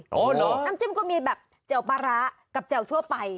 อ๋อเหรอน้ำจิ้มก็มีแบบแจ่วปลาร้ากับแจ่วทั่วไป